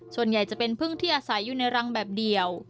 ส่วนใหญ่จะเป็นพึ่งที่อาศัยอยู่ในรังแบบเดียว